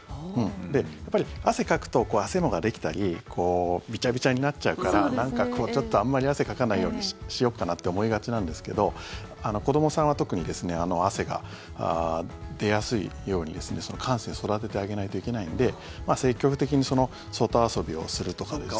やっぱり汗かくとあせもができたりビチャビチャになっちゃうからちょっとあんまり汗かかないようにしよっかなって思いがちなんですけど子どもさんは特に汗が出やすいようにその汗腺を育ててあげないといけないので積極的に外遊びをするとかですね。